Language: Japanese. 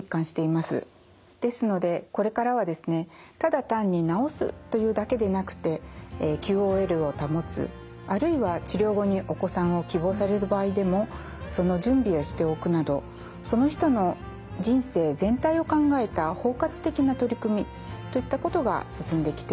ですのでこれからはですねただ単に治すというだけでなくてＱＯＬを保つあるいは治療後にお子さんを希望される場合でもその準備をしておくなどその人の人生全体を考えた包括的な取り組みといったことが進んできています。